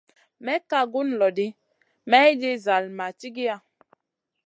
May ka gun lo ɗi, mayɗin zall ma cigiya.